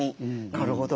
なるほど。